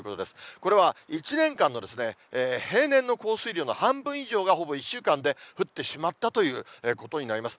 これは１年間の平年の降水量の半分以上がほぼ１週間で降ってしまったということになります。